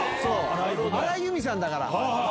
荒井由実さんだから。